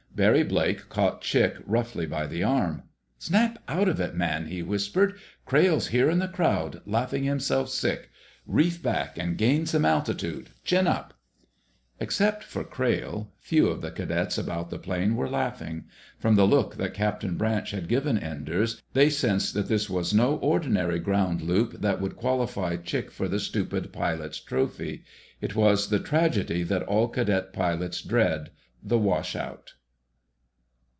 Barry Blake caught Chick roughly by the arm. "Snap out of it, man!" he whispered. "Crayle's here in the crowd, laughing himself sick. Reef back and gain some altitude! Chin up!" Except for Crayle, few of the cadets about the plane were laughing. From the look that Captain Branch had given Enders, they sensed that this was no ordinary ground loop that would qualify Chick for the Stupid Pilot's Trophy. It was the tragedy that all cadet pilots dread—the wash out.